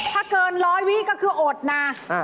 ถ้าเกิน๑๐๐วิก็คืออดนา